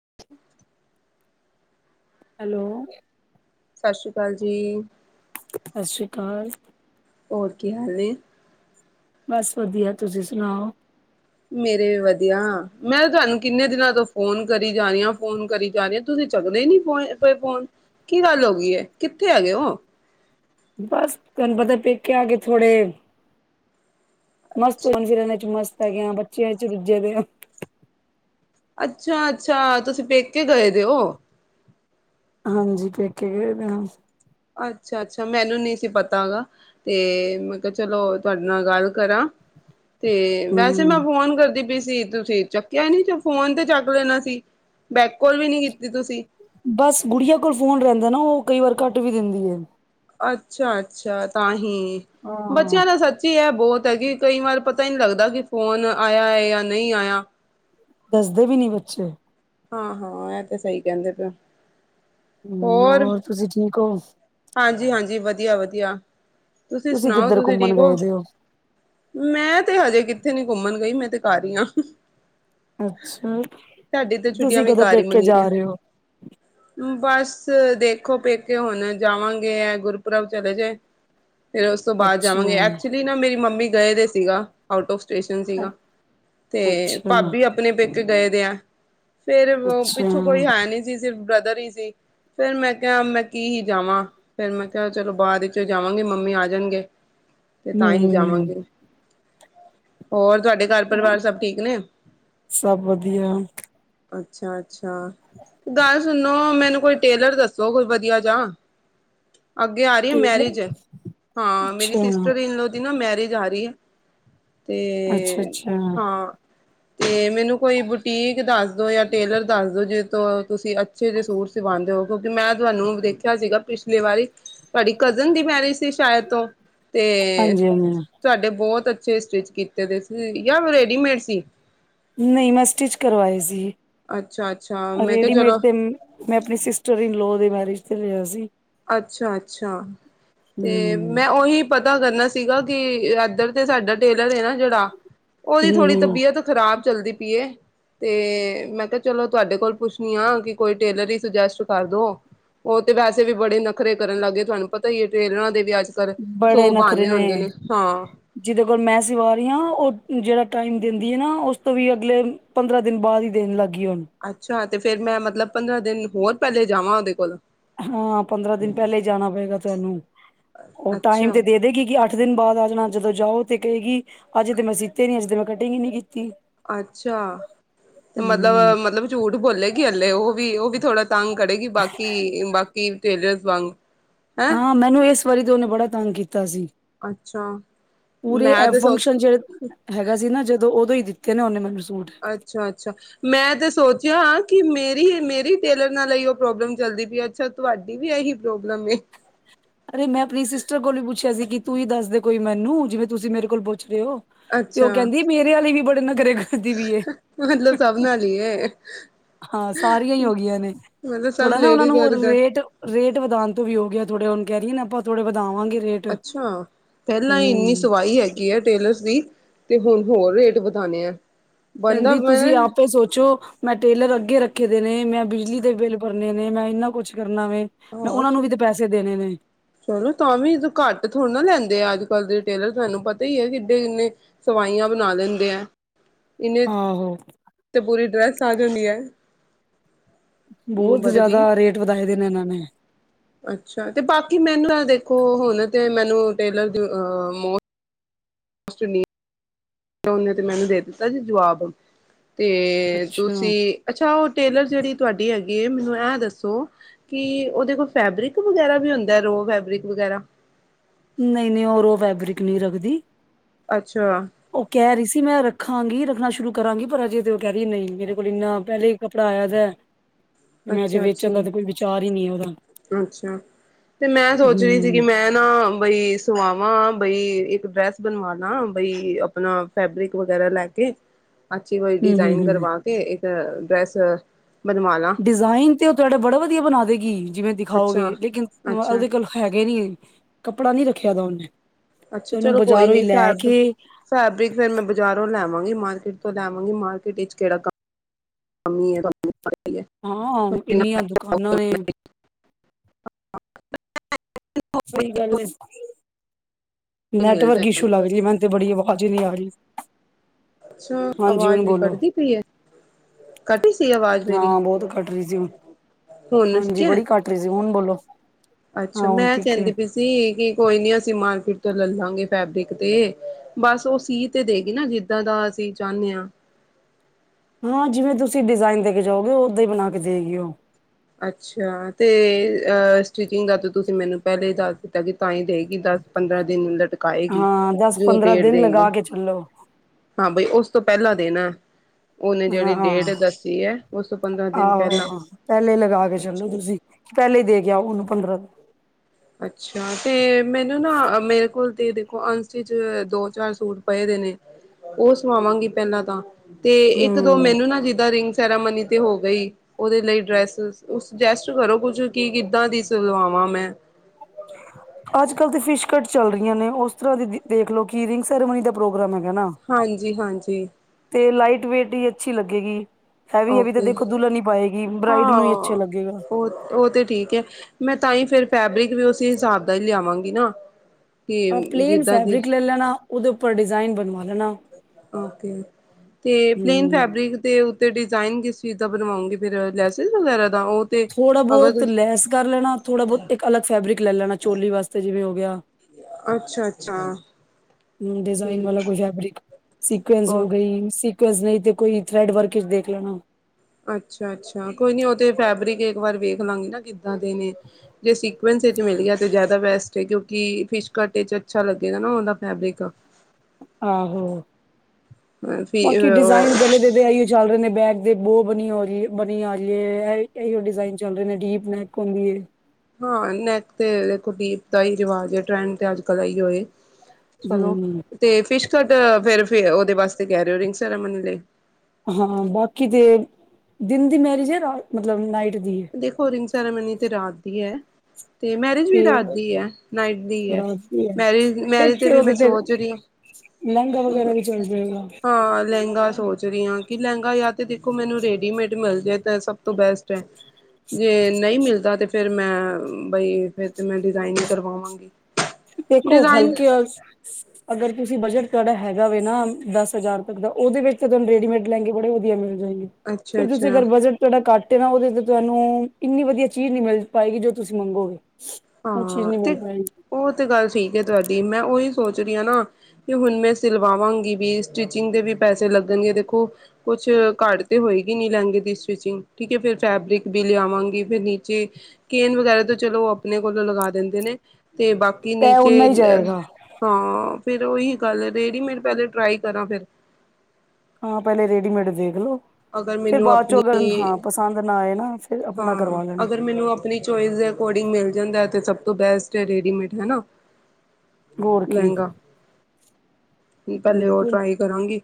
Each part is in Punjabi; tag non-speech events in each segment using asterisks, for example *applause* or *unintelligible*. *unintelligible* ਹੈਲੋ, ਸਤਿ ਸ਼੍ਰੀ ਅਕਾਲ ਜੀ। ਸਤਿ ਸ੍ਰੀ ਅਕਾਲ। ਹੋਰ ਕੀ ਹਾਲ ਨੇ? ਬਸ ਵਧੀਆ ਤੁਸੀਂ ਸੁਣਾਓ। ਮੇਰੇ ਵਧੀਆ ਮੈਂ ਤੁਹਾਨੂੰ ਕਿੰਨੇ ਦਿਨਾਂ ਤੋਂ ਫੋਨ ਕਰੀ ਜਾ ਰੀ ਆ ਫੋਨ ਕਰੀ ਜਾ ਰੀ ਤੁਸੀਂ ਚੱਕਦੇ ਈ ਨੀ ਫ਼ੋਨ ਫੋਨ ਕੀ ਗੱਲ ਹੋ ਗਈ ਕਿੱਥੇ ਹੈਗੇ ਓ। ਬਸ ਤੁਹਨੂੰ ਪਤਾ ਪੇਕਿਆ ਆ ਕੇ ਥੋੜੇ ਮਸਤ ਹੋਣ ਫਿਰ ਇਹਨਾਂ ਚ ਮਸਤ ਹੈਗੇ ਬੱਚਿਆਂ ਵਿੱਚ ਰੂਜੇ ਪਏ ਆ। ਅੱਛਾ ਅੱਛਾ, ਤੁਸੀਂ ਪੇਕੇ ਗਏ ਦੇ ਓ। ਹਾਂਜੀ, ਵੇਕੇ ਗਏ ਪਏ ਆ। ਅੱਛਾ ਅੱਛਾ, ਮੈਨੂੰ ਨੀ ਸੀ ਪਤਾ ਗਾ। ਤੇ ਮੈਂ ਕਿਹਾ ਚਲੋ ਤੁਹਾਡੇ ਨਾਲ ਗੱਲ ਕਰਾਂ। ਤੇ ਵੈਸੇ ਹੂੰ ਮੈਂ ਫੋਨ ਕਰਦੀ ਪਈ ਸੀ ਤੁਸੀਂ ਚੱਕਿਆ ਨੀ ਫੋਨ ਤੇ ਚੱਕ ਲੈਣਾ ਸੀ ਬੈਅਕ ਕੋਲ ਵੀ ਨੀ ਕੀਤੀ ਤੁਸੀਂ। ਬਸ ਗੁਡੀਆ ਕੋਲ ਫੋਨ ਰਹਿੰਦਾ ਨਾ ਉਹ ਕਈ ਵਾਰ ਘੱਟ ਵੀ ਦਿੰਦੀ ਐ। ਅੱਛਾ ਅੱਛਾ, ਤਾਂ ਹੀ ਹਾਂ ਬੱਚਿਆਂ ਦਾ ਸ ਸੱਚੀ ਇਹ ਬਹੁਤ ਐ ਕਿ ਕਈ ਵਾਰ ਪਤਾ ਹੀ ਨਹੀਂ ਲੱਗਦਾ ਕਿ ਫੋਨ ਆਇਆ ਜਾਂ ਨਹੀਂ ਆਇਆ। ਦੱਸਦੇ ਵੀ ਨਹੀਂ ਬੱਚੇ। ਹਾਂ ਹਾਂ, ਇਹ ਤੇ ਸਹੀ ਕਹਿੰਦੇ ਪਏ। ਹੂੰ, ਹੋਰ ਤੁਸੀਂ ਠੀਕ ਹੋ। ਹਾਂਜੀ-ਹਾਂਜੀ, ਵਧੀਆ ਵਧੀਆ ਤੁਸੀਂ ਸੁਣਾਓ ਕਿੱਧਰ ਤੁਸੀਂ ਘੁੰਮਣ ਠੀਕ ਹੋ? ਗਏ ਦੇ ਮੈਂ ਤੇ ਹਜੇ ਕਿੱਥੇ ਨੀ ਘੁੰਮਣ ਗਈ ਮੈਂ ਤੇ ਘਰ ਹੀ ਆ। ਅੱਛਾ ਤੁਹਾਡੀ ਤੇ ਛੁੱਟੀਆਂ ਤੁਸੀਂ ਵੀ ਕਦੋਂ ਘਰ ਹੀ ਪੇਕੇ ਮਨੀ ਜਾ ਦੀਆਂ। ਰਹੇ ਹੋ ਬਸ ਦੇਖੋ ਪੇਕੇ ਹੁਣ ਜਾਵਾਂਗੇ ਐ ਗੁਰਪ੍ਰਬ ਚਲੇ ਜਏ। ਫੇਰ ਉਸ ਤੋਂ ਬਾਅਦ ਜਾਵਾਂਗੇ ਐਕਚੁਲੀ ਨਾ ਮੇਰੀ ਮੰਮੀ ਗਏ ਦੇ ਸੀਗਾ। ਆਊਟ ਆਫ ਸਟੇਸ਼ਨ ਸੀਗਾ ਅੱਛਾ ਤੇ ਅੱਛਾ ਭਾਬੀ ਆਪਣੇ ਪੇਕੇ ਗਏ ਦੇ ਐ। ਫੇਰ ਅੱਛਾ ਪਿੱਛੋਂ ਕੋਈ ਹੈ ਨਹੀਂ ਸੀ ਸਿਰਫ ਬ੍ਰਦਰ ਈ ਸੀ ਫੇਰ ਮੈਂ ਕਿਹਾ ਮੈਂ ਕੀ ਜਾਵਾਂ। ਫੇਰ ਮੈਂ ਕਿਹਾ ਚਲੋ ਬਾਅਦ ਵਿੱਚ ਜਾਵਾਂਗੇ ਮੰਮੀ ਆ ਜਾਣਗੇ। ਤੇ ਤਾਂ ਹੀ ਹੂੰ ਜਾਵਾਂਗੇ ਹੋਰ ਤੁਹਾਡੇ ਘਰ ਪਰਿਵਾਰ ਸਭ ਠੀਕ ਨੇ। ਸਭ ਵਧੀਆ ਅੱਛਾ-ਅੱਛਾ, ਗੱਲ ਸੁਣੋ ਮੈਨੂੰ ਕੋਈ ਟੇਲਰ ਦੱਸੋ ਕੋਈ ਵਧੀਆ ਜਾ। ਅੱਗੇ ਆ ਰਹੀ ਆ ਠੀਕ ਨੇ। ਮੈਰਿਜ ਹਾਂ ਮੇਰੀ ਅੱਛਾ, ਸਿਸਟਰ ਇਨ ਲੋਅ, ਦੀ ਨਾ ਮੈਰਿਜ ਆ ਰਹੀ ਆ ਤੇ ਅੱਛਾ-ਅੱਛਾ, ਹਾਂ ਤੇ ਮੈਨੂੰ ਕੋਈ ਬੁਟੀਕ ਦੱਸ ਦੋ ਜਾਂ ਟੇਲਰ ਦੱਸ ਦੋ ਜਿਸ ਤੋਂ ਤੁਸੀਂ ਅੱਛੇ ਜਿਹੇ ਸੂਟ ਸਿਵਾਉਂਦੇ ਹੋ। ਕਿਉਂਕਿ ਮੈਂ ਤੁਹਾਨੂੰ ਦੇਖਿਆ। ਸੀਗਾ ਪਿਛਲੀ ਵਾਰੀ ਤੁਹਾਡੀ ਕਜ਼ਨ ਦੀ ਮੈਰਿਜ ਸੀ ਸ਼ਾਇਦ ਤੋਂ ਤੇ ਹਾਂਜੀ-ਹਾਂਜੀ ਤੁਹਾਡੇ ਬਹੁਤ ਅੱਛੇ ਸਟਿਚ ਕੀਤੇ ਸੀ ਜਾਂ ਰੇਡੀਮੇਡ ਸੀ। ਨਹੀਂ ਮੈਂ ਸਟਿਚ ਕਰਵਾਏ ਸੀ ਜੀ। ਅੱਛਾ-ਅੱਛਾ, ਮੈਂ ਕੇ ਚਲੋ ਮੈਂ ਆਪਣੀ ਸਿਸਟਰ ਇਨਲੋਅ ਦੇ ਮੈਰਿਜ ਤੇ ਲਿਆ ਸੀ। ਅੱਛਾ ਅੱਛਾ, ਤੇ ਹੂੰ, ਮੈਂ ਉਹੀ ਪਤਾ ਕਰਨਾ ਸੀਗਾ ਕਿ ਇੱਧਰ ਤੇ ਸਾਡਾ ਟੇਲਰ ਐ ਨਾ ਜਿਹੜਾ ਉਹਦੀ ਥੋੜੀ ਹੂੰ-ਹੂੰ ਤਬੀਅਤ ਖਰਾਬ ਚੱਲਦੀ ਪਈ ਏ। ਤੇ ਮੈਂ ਕਿਹਾ ਚਲੋ ਤੁਹਾਡੇ ਕੋਲ ਪੁੱਛਣੀ ਆ ਕਿ ਕੋਈ ਟੇਲਰ ਹੀ ਸੁਜੈਸਟ ਕਰਦੋ। ਉਹ ਤੇ ਵੈਸੇ ਵੀ ਬੜੇ ਨਖਰੇ ਕਰਨ ਲੱਗ ਗਏ ਤੁਹਾਨੂੰ ਪਤਾ ਹੀ ਹੈ ਟੇਲਰਾਂ ਦੇ ਵੀ ਅੱਜ ਬੜੇ ਸੌ ਨਖਰੇ ਬਹਾਨੇ ਹੁੰਦੇ ਨੇ ਹਾਂ। ਜਿਹਦੇ ਕੋਲ ਮੈਂ ਸਿਵਾ ਰਹੀ ਹਾਂ ਉਹ ਜਿਹੜਾ ਟਾਈਮ ਦਿੰਦੀ ਆ ਨਾ ਉਸ ਤੋਂ ਵੀ ਅਗਲੇ ਪੰਦਰਾਂ ਦਿਨ ਬਾਅਦ ਹੀ ਦੇਣ ਲਾਗੀ ਹੁਣ। ਅੱਛਾ ਤੇ ਫੇਰ ਮੈਂ ਮਤਲਬ ਪੰਦਰਾਂ ਦਿਨ ਹੋਰ ਪਹਿਲੇ ਜਾਵਾਂ ਉਹਦੇ ਕੋਲ। ਹਾਂ, ਪੰਦਰਾਂ ਦਿਨ ਪਹਿਲੇ ਜਾਣਾ ਪਏਗਾ ਤੁਹਾਨੂੰ ਉਹ ਟਾਈਮ ਤੇ ਅੱਛਾ ਦੇ ਦੇਗੀ ਕਿ ਅੱਠ ਅੱਠ ਦਿਨ ਬਾਅਦ ਆ ਜਾਣਾ ਜਦੋਂ ਜਾਓ ਤੇ ਕਹੇ ਗਈ ਅੱਜ ਤੇ ਮੈਂ ਸੀਤੇ ਨੀ ਅੱਜ ਮੈਂ ਕਟਿੰਗ ਹੀ ਨੀ ਕੀਤੀ। ਅੱਛਾ, ਤੇ ਮਤਲਬ ਹੂੰ ਮਤਲਬ ਝੂਠ ਬੋਲੇਗੀ ਹੱਲੇ ਉਹ ਵੀ ਉਹ ਵੀ ਥੋੜਾ ਤੰਗ ਕਰੜੇਗੀ ਬਾਕੀ ਬਾਕੀ ਟੇਲਰਸ ਵਾਂਗ। ਹੈਂ ਹਾਂ, ਮੈਨੂੰ ਇਸ ਵਾਰੀ ਤੇ ਉਹਨੇ ਬੜਾ ਤੰਗ ਕੀਤਾ ਸੀ। ਅੱਛਾ ਪੂਰੇ ਮੈਂ ਐ ਤੇ ਸੋਚ ਫੰਕਸ਼ਨ ਜਿਹੜੇ ਹੈਗਾ ਸੀ ਨਾ ਜਦੋਂ ਉਦੋਂ ਹੀ ਦਿੱਤੇ ਨੇ ਉਹਨੇ ਮੈਨੂੰ ਸੂਟ। ਅੱਛਾ ਅੱਛਾ। ਮੈਂ ਤੇ ਸੋਚਿਆ ਕਿ ਮੇਰੀ ਮੇਰੀ ਟੇਲਰ ਨਾਲ ਲਈ ਉਹ ਪ੍ਰੋਬਲਮ ਚਲਦੀ ਪਈ ਅੱਛਾ। ਤੁਹਾਡੀ ਵੀ ਇਹੀ ਪ੍ਰੋਬਲਮ ਐ। ਅਰੇ ਮੈਂ ਆਪਣੀ ਸਿਸਟਰ ਕੋਲ ਵੀ ਪੁੱਛਿਆ ਸੀ ਕਿ ਤੂੰ ਹੀ ਦੱਸਦੇ ਕੋਈ ਮੈਨੂੰ ਜਿਵੇਂ ਤੁਸੀਂ ਮੇਰੇ ਕੋਲ ਪੁੱਛ ਰਹੇ ਹੋ। ਤੇ ਉਹ ਅੱਛਾ ਕਹਿੰਦੀ ਮੇਰੇ ਵਾਲੀ ਵੀ ਬੜੇ ਨਖਰੇ ਕਰਦੀ ਪਈ ਆ। ਮਤਲਬ ਸਭ ਨਾਲ ਹੀ ਹੈ ਹਾਂ, ਸਾਰੀਆਂ ਹੀ ਹੋ ਗਈਆਂ ਨੇ ਮਤਲਬ ਸਭ ਥੋੜਾ ਨਾ ਉਹਨਾਂ ਲੇਡੀਜ਼ ਨੂੰ ਔਰ ਗਰ ਰੇਟ ਰੇਟ ਵਧਾਣ ਤੋਂ ਵੀ ਹੋ ਗਿਆ ਥੋੜੇ ਹੁਣ ਕਹਿ ਰਹੀ ਆ ਨਾ ਆਪਾਂ ਥੋੜੇ ਵਾਧਵਾਂਗੇ ਰੇਟ। ਅੱਛਾ, ਪਹਿਲਾਂ ਹੀ ਇੰਨੀ ਹੂੰ ਸਵਾਈ ਹੈਗੀ ਕੀ ਟੇਲਰਸ ਦੀ ਤੇ ਹੁਣ ਹੋਰ ਰੇਟ ਵਧਾਣੇ ਆ। ਬੰਦਾ ਕਹਿੰਦੀ ਤੁਸੀਂ ਮੈਂ ਆਪੇ ਸੋਚੋ ਮੈਂ ਟੇਲਰ ਅੱਗੇ ਰੱਖੇ ਦੇ ਨੇ ਮੈਂ ਬਿਜਲੀ ਦੇ ਬਿੱਲ ਭਰਨੇ ਨੇ ਮੈਂ ਇਨਾ ਕੁਛ ਕਰਨਾ ਵੈ। ਹਾਂ ਅੱਛਾ, ਚਲੋ ਤਾਂ ਵੀ ਘੱਟ ਥੋੜ੍ਹਾ ਨਾ ਲੈਂਦੇ ਆ ਅੱਜ ਕੱਲ੍ਹ ਦੇ ਟੇਲਰ ਤੁਹਾਨੂੰ ਪਤਾ ਹੀ ਹੈ ਕਿੱਡੇ ਕਿੰਨੇ ਸਵਾਈਆਂ ਬਣਾ ਲੈਂਦੇ ਆ। ਆਹੋ, ਅਤੇ ਪੂਰੀ ਡਰੈੱਸ ਸਾਂਝ ਹੁੰਦੀ ਐ। ਬਹੁਤ ਜਿਆਦਾ ਦੀ ਰੇਟ ਵਧਾਏ ਦੇ ਨੇ ਇਹਨਾਂ ਨੇ। ਅੱਛਾ, ਤੇ ਬਾਕੀ ਮੈਨੂੰ ਦੇਖੋ ਹੁਣ ਤੇ ਮੈਨੂੰ ਟੇਲਰ ਦੀ ਅ *unintelligible* ਉਹਨੇ ਤੇ ਮੈਨੂੰ ਦੇ ਦਿੱਤਾ ਜੀ ਜਵਾਬ ਤੇ ਅੱਛਾ ਤੁਸੀਂ ਅੱਛਾ, ਉਹ ਟੇਲਰ ਜਿਹੜੀ ਤੁਹਾਡੀ ਹੈਗੀ ਐ ਮੈਨੂੰ ਐ ਦੱਸੋ ਕਿ ਉਹਦੇ ਕੋਲ ਫੈਬਰਿਕ ਵਗੈਰਾ ਵੀ ਹੁੰਦਾ ਰੋ ਫੈਬਰਿਕ ਵਗੈਰਾ। ਨਹੀਂ ਨਹੀਂ, ਓ ਰੋਹ ਫੈਬਰਿਕ ਨਹੀਂ ਰੱਖਦੀ। ਅੱਛਾ, ਉਹ ਕਹਿ ਰਹੀ ਸੀ ਮੈਂ ਰੱਖਾਂਗੀ ਰੱਖਣਾ ਸ਼ੁਰੂ ਕਰਾਂਗੀ ਪਰ ਅਜੇ ਤੇ ਉਹ ਕਹਿ ਰਹੀਏ ਨਹੀਂ ਮੇਰੇ ਕੋਲ ਇੰਨਾ ਪਹਿਲੇ ਹੀ ਕੱਪੜਾ ਆਇਆ ਦਾ। *unintelligible* ਤੇ ਅਜੇ ਅੱਛਾ ਵੇਚਣ ਦਾ ਅੱਛਾ ਤੇ ਕੋਈ ਵਿਚਾਰ ਹੀ ਨੀ ਉਹਦਾ। ਅੱਛਾ ਤੇ ਮੈਂ ਸੋਚ ਰਹੀ ਸੀ ਕਿ ਹੂੰ ਮੈਂ ਨਾ ਬਈ ਸਵਾਵਾਂ ਬਈ ਇੱਕ ਡਰੈਸ ਬਣਵਾ ਲਾ ਬਈ ਆਪਣਾ ਫੈਬਰਿਕ ਵਗੈਰਾ ਲੈ ਕੇ। ਅੱਛੀ, ਕੋਈ ਹੂੰ ਹੂੰ ਡਿਜ਼ਾਇਨ ਹੂੰ ਕਰਵਾ ਕੇ ਇੱਕ ਡਰੈਸ ਬਣਵਾ ਲਾ। ਡਿਜ਼ਾਇਨ ਤੇ ਉਹ ਤੁਹਾਡਾ ਬੜਾ ਵਧੀਆ ਬਣਾ ਦੇਗੀ ਜਿਵੇਂ ਦਿਖਾਓਗੇ ਅੱਛਾ ਲੇਕਿਨ ਅੱਛਾ ਓਹਦੇ ਕੋਲ। ਹੈਗੇ ਨੀ ਕੱਪੜਾ ਨੀ ਰੱਖਿਆ ਦਾ ਉਹਨੇ ਅੱਛਾ ਉਹਨੂੰ ਚਲੋ ਕੋਈ ਬਾਜ਼ਾਰੋਂ ਹੀ ਨੀ ਲੈ ਫੈਬ ਕੇ। ਫੈਬਰਿਕ ਫੇਰ ਮੈਂ ਬਾਜ਼ਾਰੋਂ ਲੈ ਆਵਾਂਗੀ ਮਾਰਕੀਟ ਤੋਂ ਲੈ ਆਵਾਂਗੀ ਮਾਰਕੀਟ ਵਿਚ ਕਿਹੜਾ ਕਮੀ ਐ ਤੁਹਾਨੂੰ ਪਤਾ ਹੀ ਐ। ਹਾਂ, ਇੰਨੀਆਂ ਦੁਕਾਨਾਂ ਨੇ। ਸਹੀ ਗੱਲ ਐ। ਮਿਲ ਜਾਏ ਨੈਟਵਰਕ ਇਸ਼ੂ ਲੱਗਦੀ ਮੈਨੂੰ ਬੜੀ ਆਵਾਜ਼ ਹੀ ਨਹੀਂ ਆ ਰਹੀ। ਅੱਛਾ, ਹਾਂਜੀ ਆਵਾਜ਼ ਹੁਣ ਮੇਰੀ ਬੋਲੋ ਕੱਟਦੀ ਪਈ ਐ। ਹਾਂ, ਬਹੁਤ ਕੱਟ ਰਹੀ ਸੀ ਹੁਣ ਠੀਕ ਹਾਂਜੀ ਹੈ ਬੜੀ ਘੱਟ ਸੀ ਹੁਣ ਬੋਲੋ। ਅੱਛਾ, ਹਾਂ ਹੁਣ ਮੈਂ ਠੀਕ ਹੈ ਕਹਿੰਦੀ ਪਈ ਸੀ। ਸੀ ਕਿ ਕੋਈ ਨੀ ਅਸੀਂ ਮਾਰਕੀਟ ਤੋਂ ਲੈਲਾਂਗੇ ਫੈਬਰਿਕ ਤੇ ਬਸ ਓ ਸੀ ਤੇ ਦੇਗੀ ਨਾ ਜਿੱਦਾਂ ਦਾ ਅਸੀਂ ਚਾਨੇ ਆ। ਹਾਂ, ਜਿਵੇਂ ਤੁਸੀਂ ਡਿਜ਼ਾਇਨ ਦੇ ਕੇ ਜਾਓਗੇ ਓਦਾਂ ਹੀ ਬਣਾ ਕੇ ਦਏਗੀ ਓ। ਅੱਛਾ, ਤੇ ਅ ਸਟਿਚਿੰਗ ਦਾ ਤਾਂ ਤੁਸੀਂ ਮੈਨੂੰ ਪਹਿਲੇ ਹੀ ਦੱਸ ਦਿੱਤਾ ਕਿ ਤਾਂ ਹੀ ਦੇਗੀ ਦੱਸ ਪੰਦਰਾਂ ਦਿਨ ਲਟਕਾਏਗੀ ਹਾਂ ਦਸ ਜੋ ਪੰਦਰਾਂ ਡੇਟ ਦਿਨ ਦੇਗੀ। ਲਗਾ ਕੇ ਚੱਲੋ ਹਾਂ ਬਈ ਉਸ ਤੋਂ ਪਹਿਲਾ ਦੇਣਾ। ਉਹਨੇ ਜਿਹੜੀ ਹਾਂ ਡੇਟ ਦੱਸੀ ਐ ਉਸ ਤੋਂ ਪੰਦਰਾਂ ਦਿਨ ਆਹੋ ਪਹਿਲਾਂ ਪਹਿਲੇ ਲਗਾ ਕੇ ਚੱਲੋ ਅੱਛਾ ਤੁਸੀਂ ਪਹਿਲੇ ਹੀ ਦੇ ਕੇ ਉਹਨੂੰ ਪੰਦਰਾਂ ਅੱਛਾ, ਤੇ ਮੈਨੂੰ ਨਾ ਮੇਰੇ ਕੋਲ ਤੇ ਦੇਖੋ ਅਨਸਟਿਚ ਦੋ ਚਾਰ ਸੂਟ ਪਏ ਦੇ ਨੇ। ਉਹ ਸਵਾਵਾਂਗੀ ਪਹਿਲਾਂ ਤਾਂ ਤੇ ਇੱਕ ਦੋ ਹਮ ਮੈਨੂੰ ਨਾ ਜਿੱਦਾਂ ਰਿੰਗ ਸੈਰਾਮਨੀ ਤੇ ਹੋ ਗਈ। ਉਹਦੇ ਲਈ ਡਰੈਸ ਸੁਜੈਸਟ ਕਰੋ ਕੁਝ ਕਿ ਕਿੱਦਾਂ ਦੀ ਸਲਵਾਵਾਂ ਮੈਂ। *inaudible* ਅੱਜ ਕੱਲ੍ਹ ਤੇ ਫਿਸ਼ ਕੱਟ ਚੱਲ ਰਹੀਆਂ ਨੇ ਉਸ ਤਰ੍ਹਾਂ ਦੀ ਦੇਖ ਲਓ ਕਿ ਰਿੰਗ ਸੈਰੇਮਨੀ ਦਾ ਪ੍ਰੋਗਰਾਮ ਹੈਗਾ ਨਾ। ਹਾਂਜੀ-ਹਾਂਜੀ, ਤੇ ਲਾਈਟ ਵੇਟ ਹੀ ਅੱਛੀ ਲੱਗੇਗੀ। ਹੈਵੀ ਹੈਵੀ ਤਾਂ ਓਕੇ ਦੇਖੋ ਦੁਲਹਨ ਈ ਪਾਏਗੀ ਬਰਾਈਡ ਹਾਂ ਨੂੰ ਹੀ ਅੱਛਾ ਲੱਗੇਗਾ। ਉਹ ਉਹ ਤੇ ਠੀਕ ਐ। ਮੈਂ ਤਾਂ ਹੀ ਫੇਰ ਫੈਬਰਿਕ ਵੀ ਉਸੇ ਹਿਸਾਬ ਦਾ ਹੀ ਲਿਆਵਾਂਗੀ ਨਾ। ਕਿ ਪਲੇਨ ਜਿੱਦਾਂ ਦੀ ਫੈਬਰਿਕ ਲੈ ਲੈਣਾ ਉਹਦੇ ਉੱਪਰ ਡਿਜ਼ਾਇਨ ਬਣਵਾ ਲੈਣਾ। ਓਕੇ ਤੇ ਪਲੇਨ ਹਮ ਫੈਬਰਿਕ ਦੇ ਤੇ ਡਿਜ਼ਾਇਨ ਕਿਸ ਚੀਜ਼ ਦਾ ਬਣਵਾਂਗੇ ਫਿਰ ਲੈਸਜ ਵਗੈਰਾ ਦਾ ਉਹ ਤੇ ਥੋੜ੍ਹਾ ਅਗਰ ਬਹੁਤ ਤੁਸੀਂ ਲੈਸ ਕਰ ਲੈਣਾ ਥੋੜਾ ਬਹੁਤ ਇੱਕ ਅਲੱਗ ਫੈਬਰਿਕ ਲੈ ਲੈਣਾ ਚੋਲੀ ਵਾਸਤੇ ਜਿਵੇਂ ਹੋ ਗਿਆ। ਅੱਛਾ-ਅੱਛਾ ਡਿਜ਼ਾਇਨ ਵਾਲਾ ਠੀਕ ਕੋਈ ਫੈਬਰਿਕ। ਸਿਕੁਂਸ ਉਹ ਹੋ ਗਈ, ਸੀਿਕੁਂਸ ਨਹੀਂ ਤੇ ਕੋਈ ਥਰੈਡ ਵਰਕ ਦੇਖ ਲੈਣਾ। ਅੱਛਾ -ਅੱਛਾ ਕੋਈ ਨੀ, ਉਹ ਤੇ ਫੈਬਰਿਕ ਇੱਕ ਵਾਰ ਵੇਖ ਲਾਂਗੀ ਨਾ ਕਿੱਦਾਂ ਦੇ ਨੇ। ਜੇ ਸੀਕੁਐੈਂਸ ਵਿੱਚ ਮਿਲ ਗਿਆ ਤੇ ਜ਼ਿਆਦਾ ਬੈਸਟ ਹੈ। ਕਿਉਂਕਿ ਫਿਸ਼ ਕਟ ਵਿਚ ਅੱਛਾ ਲੱਗੇਗਾ ਨਾ ਉਹਦਾ ਫੈਬਰਿਕ। ਹ *inaudible* ਆਹੋ ਫੀ ਬਾਕੀ ਡਿਜ਼ਾਇਨ ਗਲੇ ਦੇ ਇਹੀਓ। ਚੱਲ ਰਹੇ ਨੇ ਬੈਕ ਦੇ ਬੋਹ ਬਣੀ ਹੋਹੀ ਬਣੀ ਆ ਰਹੀ ਇਹੋ ਡਿਜ਼ਾਇਨ ਚੱਲ ਰਹੇ ਨੇ ਡੀਪ ਨੈਕ ਹੁੰਦੀ ਏ। ਹਾਂ, ਨੈਕ ਤੇ ਦੇਖੋ ਡੀਪ ਦਾ ਹੀ ਰਿਵਾਜ ਐ ਟਰੈਡ ਤੇ ਅੱਜ ਕੱਲ ਦੇਖੋ ਇਹੀਓ ਏ। ਚਲੋ ਹਮ ਤੇ ਫਿਸ਼ ਕਟ ਫਿਰ ਉਹਦੇ ਵਾਸਤੇ ਕਹਿ ਰਹੇ ਹੋ ਰਿੰਗ ਸੈਰਾਮਨੀ ਲਈ। ਹਾਂ, ਬਾਕੀ ਤੇ ਦਿਨ ਦੀ ਮੈਰਿਜ ਐ ਰਾ ਮਤਲਬ ਨਾਈਟ ਦੀ। ਦੇਖੋ ਰਿੰਗ ਸੈਰੇਮਨੀ ਤੇ ਰਾਤ ਦੀ ਐ। ਤੇ ਮੈਰਿਜ ਵੀ ਰਾਤ ਤੇ ਦੀ ਐ ਨਾਈਟ ਦੀ ਫਿਰ ਐ ਉਹੀ ਹੈ ਮੈਰਿਜ ਫਿਰ ਮੈਰਿਜ ਤੇ ਵੀ ਉਹਦੇ ਮੈਂ ਸੋਚ ਰਹੀ ਆ। ਲਹਿੰਗਾ ਵਗੈਰਾ ਵੀ ਚੱਲ ਜਾਏਗਾ ਹਾਂ ਲਹਿੰਗਾ ਸੋਚ, ਕਿ ਲਹਿੰਗਾ ਜਾ ਤੇ ਦੇਖੋ ਮੈਨੂੰ ਰੇਡੀਮੇਡ ਮਿਲ ਜਾਏ ਤਾਂ ਸਭ ਤੋਂ ਬੈਸਟ ਐ। ਜੇ ਨਹੀਂ ਮਿਲਦਾ ਤੇ ਫੇਰ ਮੈਂ ਬਈ ਫਿਰ ਤੇ ਮੈਂ ਡਿਜ਼ਾਇਨ ਈ ਕਰਵਾਵਾਂਗੀ। ਦੇਖੋ, ਡਿਜ਼ਾਇਨ ਹਲਕੇ ਹੋਸ ਅਗਰ ਤੁਸੀਂ ਬਜਟ ਜਹੜਾ ਹੈਗਾ ਵ ਨਾ, ਦਸ ਹਜ਼ਾਰ ਤੱਕ ਦਾ ਉਹਦੇ ਵਿੱਚ ਤਾਂ ਤੁਹਾਨੂੰ ਰੇਡੀਮੇਡ ਲੈਗੇ ਬੜੇ ਵਧੀਆ ਮਿਲ ਜਾਏਗੀ। ਅੱਛਾ ਫਿਰ ਤੁਸੀੇ ਅੱਛਾ ਅਗਰ ਬਜਟ ਜਿਹੜਾ ਕੱਟ ਹੈ ਨਾ ਉਹਦੇ ਤੇ, ਤੁਹਾਨੂੰ ਇੰਨੀ ਵਧੀਆ ਚੀਜ਼ ਨਹੀਂ ਮਿਲ ਪਾਏਗੀ ਜੋ ਤੁਸੀਂ ਮੰਗੋਗੇ। ਉਹ ਚੀਜ਼ ਹਾਂ, ਨਹੀਂ ਤੇ ਮਿਲ ਪਾਏਗੀ ਉਹ ਤੇ ਗੱਲ ਠੀਕ ਹੈ ਤੁਹਾਡੀ ਮੈਂ ਉਹੀ ਸੋਚ ਰਹੀ ਹਾਂ ਨਾ। ਤੇ ਹੁਣ ਮੈਂ ਸਿਲਵਾਵਾਂਗੀ ਵੀ ਸਟਿਚਿੰਗ ਦੇ ਵੀ ਪੈਸੇ ਲੱਗਣਗੇ ਦੇਖੋ। ਕੁਛ ਘਟ ਤੇ ਹੋਏਗੀ ਨੀ ਲਹਿੰਗੇ ਦੀ ਸਟਿਚਿੰਗ। ਠੀਕ ਹੈ ਫਿਰ ਫੈਬਰਿਕ ਵੀ ਲਿਆਵਾਂਗੀ ਫਿਰ ਨੀਚੇ ਕੇਨ ਵਗੈਰਾ ਤੋਂ ਚਲੋ ਉਹ ਆਪਣੇ ਕੋਲੋਂ ਲਗਾ ਦਿੰਦੇ ਨੇ। ਤੇ ਬਾਕੀ ਤੈ ਨੀਚੇ ਓਨਾ ਹੀ ਜਾਏਗਾ ਹਾਂ, ਫੇਰ ਉਹੀ ਗੱਲ ਰੇਡੀਮੇਡ ਪਹਿਲੇ ਟਰਾਈ ਕਰਾਂ। ਫਿਰ ਹਾਂ, ਪਹਿਲੇ ਰੇਡੀਮੇਡ ਦੇਖਲਓ। ਅਗਰ ਫਿਰ ਮੈਨੂੰ ਬਾਅਦ ਆਪਣੀ ਚੋਂ ਅਗਰ ਹਾਂ, ਪਸੰਦ ਨਾ ਆਏ ਨਾ। ਫਿਰ ਆਪਣਾ ਹਾਂ, ਕਰਵਾ ਲੈਣਾ ਅਗਰ ਮੈਨੂੰ ਆਪਣੀ ਚੋਇਸ ਦੇ ਅਕੋਰਡਿੰਗ ਮਿਲ ਜਾਂਦਾ ਤੇ ਸਭ ਤੋਂ ਬੈਸਟ ਰੇਡੀਮੇਡ ਹੈ। ਹੋਰ ਕੀ ਮਹਿੰਗਾ। ਪਹਿਲੇ ਉਹ ਬਿਲਕੁਲ ਟਰਾਈ ਕਰਾਂਗੀ।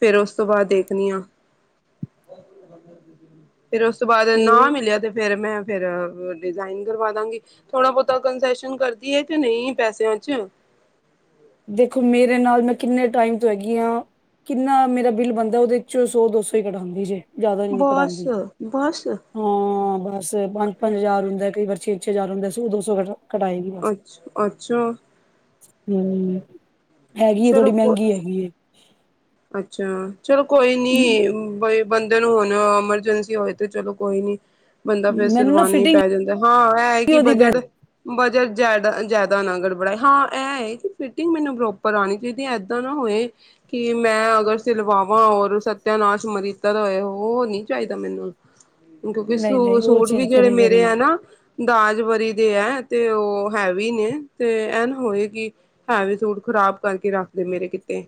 ਫੇਰ ਉਸ ਤੋਂ ਬਾਅਦ ਦੇਖਣੀ ਆ। ਫੇਰ ਉਸ ਤੋਂ ਬਾਅਦ ਨਾ ਤੇ ਮਿਲਿਆ ਤੇ ਫੇਰ ਮੈਂ ਫੇਿਰ ਡਿਜ਼ਾਇਨ ਕਰਵਾ ਦਾਂਗੀ। ਥੋੜਾ -ਬਹੁਤਾ ਕੰਸੇਸ਼ਨ ਕਰਦੀ ਹੈ ਤੇ ਨਹੀਂ ਪੈਸਿਆਂ ਚ'। ਦੇਖੋ ਮੇਰੇ ਨਾਲ ਮੈਂ ਕਿੰਨੇ ਟਾਈਮ ਤੋਂ ਹੈਗੀ ਹਾਂ। ਕਿੰਨਾ ਮੇਰਾ ਬਿੱਲ ਬਣਦਾ ਉਹਦੇ ਚੋਂ ਸੌ- ਦੋ ਸੌ ਹੀ ਕਟਾਉਂਦੀ ਜੇ। ਜ਼ਿਆਦਾ ਨ ਨੀ ਬਸ ਕਟਾਉਂਦੀ ਬਸ ਹਾਂ, ਬਸ ਪੰਜ- ਪੰਜ ਹਜ਼ਾਰ ਹੁੰਦਾ ਕਈ ਵਛੇ ਪਿੱਛੇ ਹਜਾਰ ਹੁੰਦੇ ਸੀ। ਦੋ ਸੌ ਕਟਾਏਗੀ ਨਾ। ਅੱਛਾ ਅੱਛਾ ਹੈਗੀ ਏ ਥੋੜੀ ਚਲੋ ਕੋ ਮਹਿੰਗੀ ਹੈਗੀ ਏ। ਅੱਛਾ ਚਲੋ, ਕੋਈ ਨੀ ਬ ਬੰਦੇ ਨੂੰ ਹੁਣ ਐਮਰਜੈਂਸੀ ਹੋਏ ਤੇ ਚਲੋ ਕੋਈ ਨੀ। ਬੰਦਾ ਫੇਰ ਮੈਨੂੰ ਨਾ ਸਿਲਵਾਾਨ ਹੀ ਫਿਟਿੰਗ ਪੈ ਜਾਂਦਾ ਹਾਂ, ਇਹ ਕਿ ਉਹਦੀ ਬੈ ਬਜਟ ਬਜਟ ਜੈਦਾ- ਜੈਦਾ ਅਗਰ ਬਣਾਈ। ਹਾਂ, ਇਹ ਫਿਟਿੰਗ ਮੈਨੂੰ ਪ੍ਰੋਪਰ ਆਉਣੀ ਚਾਹੀਦੀ ਹੈ। ਦ ਨਾ ਹੋਏ। ਕਿ ਮੈਂ ਅਗਰ ਸਿਲਵਾਵਾਂ ਔਰ ਸਤਿਆਨਾਸ਼ ਮਿਲੀਤਾ ਹੋਏ ਉਹ ਨੀ ਚਾਹੀਦਾ ਮੈਨੂੰ। ਨਹੀਂ ਦੋਖੋ, ਨਹੀਂ ਉਹ ਸੂਟ ਵੀ ਚੀਜ਼ ਤੇ ਜਿਹੜੇ ਨਹੀਂ ਮੇਰੇ ਆ ਕਰੇਗੀ ਨਾ। ਦਾਜ, ਵਰੀ ਦੇ ਹੈ। ਤੇ ਉਹ ਹੈਵੀ ਨੇ ਤੇ ਐਨ ਹੋਏ ਕਿ ਹੈ ਵੀ ਸੂਟ ਖ਼ਰਾਬ ਕਰਕੇ ਰੱਖਦੇ ਮੇਰੇ ਕਿੱਤੇ।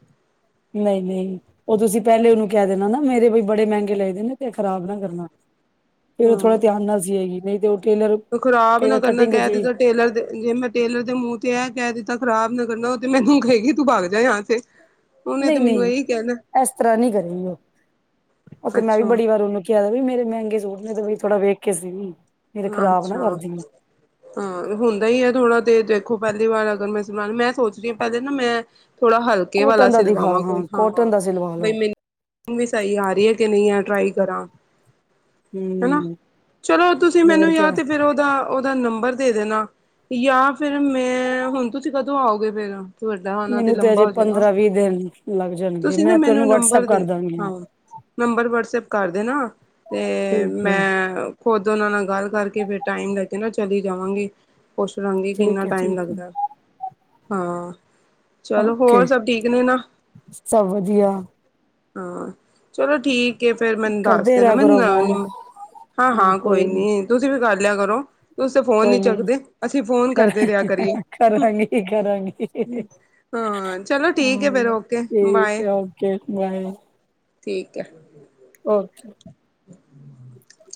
ਨਹੀਂ- ਨਹੀਂ ਉਹ ਤੁਸੀਂ ਪਹਿਲੇ ਉਹਨੂੰ ਕਹਿ ਦੇਣਾ ਨਾ ਮੇਰੇ ਵੀ ਬੜੇ ਮਹਿੰਗੇ ਲਏਦੇ ਨੇ ਤੇ ਖ਼ਰਾਬ ਨਾ ਕਰਨਾ। ਫੇਰ ਉਹ ਥੋੜ੍ਹਾ ਹਾਂ ਧਿਆਨ ਨਾਲ ਸੀ ਹੈਗੀ। ਨਹੀਂ ਤੇ ਉਹ ਟੇਲਰ ਖ਼ਰਾਬ ਕਈ ਨਾ ਵਾਰ ਕਰਨਾ ਕਟਿੰਗ ਕਹਿ ਚ ਵੀ ਦਿੱਤਾ ਟੇਲਰ ਦੇ। ਜੇ ਮੈਂ ਟੇਲਰ ਦੇ ਮੂੰਹ ਤੇ ਇਹ ਕਹਿ ਦਿੱਤਾ ਖ਼ਰਾਬ ਨਾ ਕਰਨਾ। ਉਹ ਤੇ ਮੈਨੂੰ ਕਹੀ ਗਈ ਤੂੰ ਬਗ ਜਾ ਜਾਆਸੇ। ਨਹੀਂ- ਨਹੀਂ ਇਸ ਤਰ੍ਹਾਂ ਨਹੀਂ ਕਰੇਗੀ। ਉਹ ਉਹ ਤੇ ਮੈਂ ਵੀ ਅੱਛਾ ਬੜੀ ਵਾਰ ਉਹਨੂੰ ਕਿਹਾ ਵੀ ਮੇਰੇ ਮਹਿੰਗੇ ਸੂਟ ਨੇ ਤੇ ਬਈ ਥੋੜਾ ਵੇਖ ਕੇ ਸੀਅ ਮੇਰੇ ਹਾਂ ਖਰਾਬ ਨਾ ਅੱਛਾ ਕਰਦੀ। ਹਾਂ, ਹੁੰਦਾ ਹੀ ਹੈ। ਥੋੜਾ ਤੇ ਦੇਖੋ, ਪਹਿਲੀ ਵਾਰ ਅਗਰ ਮੈਂ ਸੁਆ ਮੈਂ ਸੋਚ ਰਹੀ ਹਾਂ, ਪਹਿਲੇ ਨਾ ਮੈਂ ਥੋੜਾ ਹਲਕੇ ਵਾਲਾ ਕੋਟਨ ਦਾ ਦਿਖਾ ਸਿਲਵਾਵਾਂ ਕੋਈ ਹਾਂ ਕੋਟਨ ਦਾ ਸਿਲਵਾ ਲੋ ਬਈ ਮੈਨੂੰ। ਵੀ ਸਹੀ ਆ ਰਹੀ ਆ ਕਿ ਨਹੀਂ ਆ ਟਰਾਈ ਕਰਾ। ਹੂੰ। ਚਲੋ ਤੁਸੀਂ ਹੋਰ ਮੈਨੂੰ ਜਾ ਕਿਆ ਤੇ ਫਿਰ। ਉਹਦਾ, ਉਹਦਾ ਨੰਬਰ ਦੇ ਦੇਣਾ। ਜਾਂ ਫਿਰ ਮੈਂ ਹੁਣ ਤੁਸੀਂ ਕਦੋਂ ਆਓਗੇ ਫੇਰ। ਤੁਹਾਡਾ ਤੇ ਆਉਣਾ ਮੈਨੂੰ ਤੇ ਲੰਬਾ ਅਜੇ ਹੋਜਏਗਾ। ਪੰਦਰਾਂ ਵੀਹ ਦਿਨ ਲੱਗ ਜਾਣਗੇ ਤੁਸੀਂ ਨਾ ਮੈਂ ਮੈਨੂੰ ਤੈਨੂੰ ਵਟਸਐਪ ਨੰਬਰ ਦੇ ਕਰ ਦਾਂਗੀ ਹਾਂ। ਨੰਬਰ ਵਟਸਐਪ ਕਰ ਦੇਣਾ। ਤੇ ਠੀਕ ਹੈ ਮੈਂ ਖੁਦ ਉਹਨਾਂ ਨਾਲ ਗੱਲ ਕਰਕੇ ਫਿਰ ਟਾਈਮ ਲੱ ਕੇ ਨਾ ਚਲੀ ਜਾਵਾਂਗੇ ਪੁੱਛ ਲਾਂਗੇ ਕਿੰਨਾ ਠੀਕ ਹੈ ਟਾਈਮ ਠੀਕ ਲੱਗਦਾ। ਹੈ ਹਾਂ। ਚਲੋ ਓਕੇ ਹੋਰ ਸਭ ਠੀਕ ਨੇ ਨਾ। ਸਭ ਵਧੀਆ ਹਾਂ, ਚਲੋ ਠੀਕ ਹੈ। ਫੇਰ ਮੈਨੂੰ ਦੱਸ ਕਰਦੇ ਦੇਣਾ ਰਿਹਾ ਕਰੋ ਮੈਨੂੰ ਫੋਨ ਹਾਂ- ਹਾਂ। ਕੋਈ ਕੋਈ ਨੀ ਨੀ ਤੁਸੀਂ ਵੀ ਕਰ ਲਿਆ ਕਰੋ। ਤੁਸੀਂ ਤਾਂ ਫੋਨ ਨੀ ਚੱਕਦੇ। ਅਸੀਂ ਫੋਨ ਕਰ ਕਰਦੇ ਰਿਹਾ ਕਰੀਏ। ਕਰਾਂਗੀ ਕਰਾਂਗੀ ਹਾਂ, ਚਲੋ ਠੀਕ ਹੈ ਫੇਰ, ਹਾਂ ਓਕੇ, ਠੀਕ ਬਾਏ, ਹੈ ਓਕੇ ਬਾਏ ਠੀਕ ਹੈ। ਓਕੇ। ਹੂੰ।